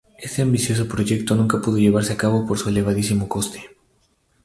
Este ambicioso proyecto nunca pudo llevarse a cabo por su elevadísimo coste.